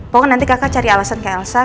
pokoknya nanti kakak cari alasan ke elsa